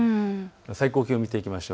最高気温見ていきましょう。